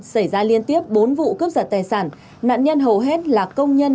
xảy ra liên tiếp bốn vụ cướp giật tài sản nạn nhân hầu hết là công nhân